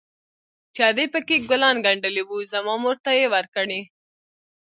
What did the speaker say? چې ادې پكښې ګلان ګنډلي وو زما مور ته يې وركړي.